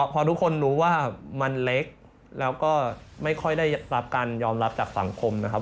พอทุกคนรู้ว่ามันเล็กแล้วก็ไม่ค่อยได้รับการยอมรับจากสังคมนะครับ